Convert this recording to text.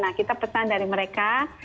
nah kita pesan dari mereka